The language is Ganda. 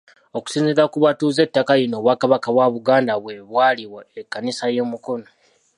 Okusinziira ku batuuze ettaka lino, Obwakabaka bwa Buganda bwe bwaliwa Ekkanisa y'e Mukono.